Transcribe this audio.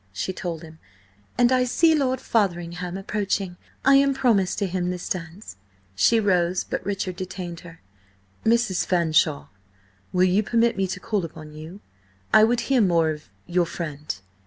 she told him. "And I see Lord Fotheringham approaching. I am promised to him this dance." She rose, but Richard detained her. "Mrs. Fanshawe, will you permit me to call upon you? I would hear more of–your friend.